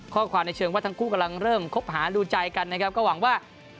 ในเชิงว่าทั้งคู่กำลังเริ่มคบหาดูใจกันนะครับก็หวังว่า